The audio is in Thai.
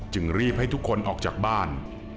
จึงรีบให้ทุกคนออกจากบ้าน